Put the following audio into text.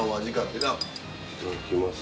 いただきます。